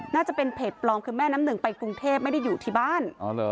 น่าจะเป็นเพจปลอมคือแม่น้ำหนึ่งไปกรุงเทพไม่ได้อยู่ที่บ้าน